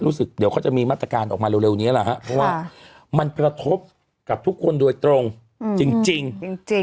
รู้สึกเดี๋ยวเขาจะมีมาตรการออกมาเร็วเร็วเนี้ยแหละฮะเพราะว่าค่ะมันประทบกับทุกคนโดยตรงอืมจริงจริงจริงจริง